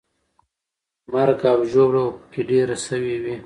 مرګ او ژوبله به پکې ډېره سوې وي.